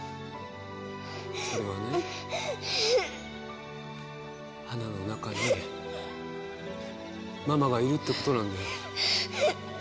それはね、はなの中に、ママがいるってことなんだよ。